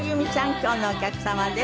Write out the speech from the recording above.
今日のお客様です。